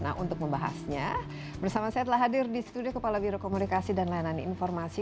nah untuk membahasnya bersama saya telah hadir di studio kepala birokomunikasi dan layanan informasi